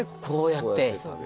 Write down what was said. こうやって。